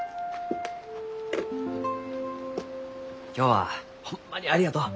今日はホンマにありがとう。